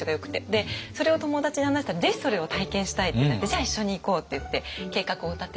でそれを友達に話したらぜひそれを体験したいってなってじゃあ一緒に行こうって言って計画を立てて。